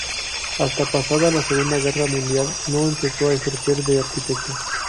Hasta pasada la Segunda Guerra Mundial no empezó a ejercer de arquitecto.